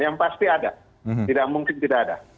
yang pasti ada tidak mungkin tidak ada